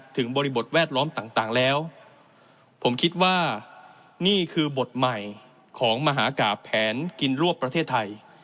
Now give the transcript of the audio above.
บริบทแวดล้อมต่างแล้วผมคิดว่านี่คือบทใหม่ของมหากราบแผนกินรวบประเทศไทย